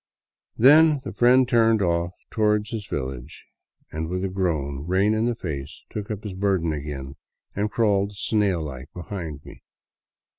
Then the friend turned off toward his village and with a groan " Rain in the Face '^ took up his burden again and crawled snail like behind me.